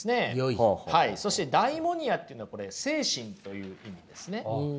そして「ダイモニア」っていうのはこれ精神という意味ですね。